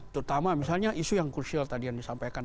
terutama misalnya isu yang krusial tadi yang disampaikan